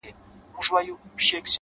هره ورځ د پرمختګ امکان لري.!